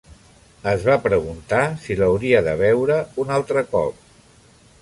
Es va preguntar si l'hauria de veure un altre cop.